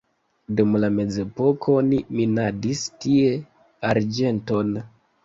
Dum la mezepoko oni minadis tie arĝenton.